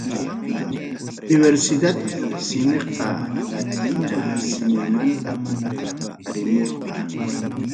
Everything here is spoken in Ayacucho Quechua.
Universidad simiqa, latina simimantam paqarimurqa.